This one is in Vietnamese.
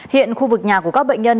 hiện khu vực nhà của các bệnh nhân